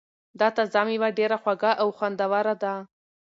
دا تازه مېوه ډېره خوږه او خوندوره ده.